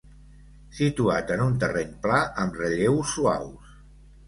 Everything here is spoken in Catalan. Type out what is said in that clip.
Situat en un terreny pla amb relleus suaus.